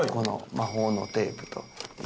魔法のテープはい。